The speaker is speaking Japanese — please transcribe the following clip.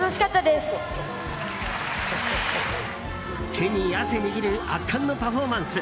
手に汗握る圧巻のパフォーマンス